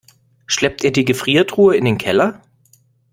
Schleppt ihr die Gefriertruhe in den Keller?